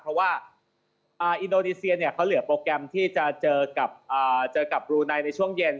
เพราะว่าอินโดนีเซียเนี่ยเขาเหลือโปรแกรมที่จะเจอกับบรูไนในช่วงเย็น